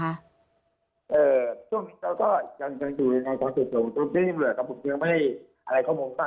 กระโปรชนิดหนึ่งเกิดในครอบครัวแล้ว